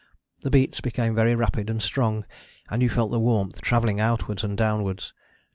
The beats became very rapid and strong and you felt the warmth travelling outwards and downwards.